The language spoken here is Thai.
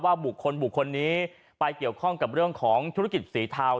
บุคคลบุคคลนี้ไปเกี่ยวข้องกับเรื่องของธุรกิจสีเทา